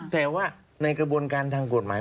แต่ว่าในกระบวนการทางกฎหมาย